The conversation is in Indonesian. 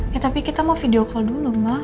ya tapi kita mau video call dulu mbak